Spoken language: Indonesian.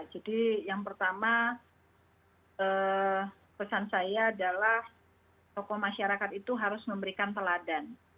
jadi yang pertama pesan saya adalah tokoh masyarakat itu harus memberikan teladan